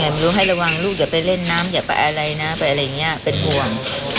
ด้วยเล่นน้ำอย่าปะอาเลยนะเป็นห่วง